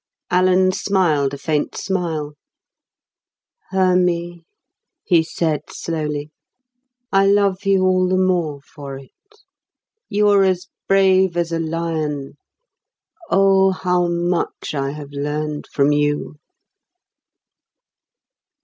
Alan smiled a faint smile. "Hermy," he said slowly, "I love you all the more for it. You're as brave as a lion. Oh, how much I have learned from you!"